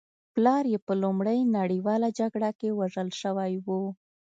پلار یې په لومړۍ نړۍواله جګړه کې وژل شوی و